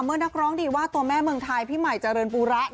นักร้องดีว่าตัวแม่เมืองไทยพี่ใหม่เจริญปูระ